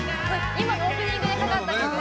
今のオープニングでかかった曲ですね。